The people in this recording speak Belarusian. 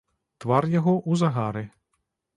Твар яго ў загары.